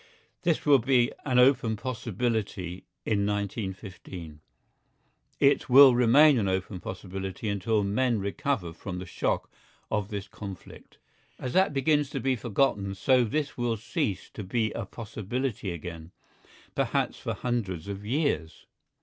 This will be an open possibility in 1915. It will remain an open possibility until men recover from the shock of this conflict. As that begins to be forgotten so this will cease to be a possibility again—perhaps for hundreds of years.